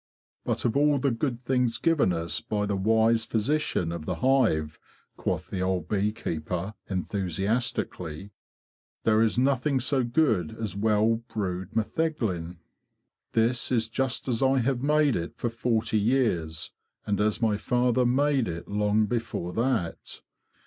£* But of all the good things given us by the wise physician of the hive,'' quoth the old bee keeper, enthusiastically, " there is nothing so good as well brewed metheglin. This is just as I have made it for forty years, and as my father made it long before that.